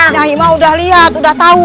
nyai mah udah liat udah tau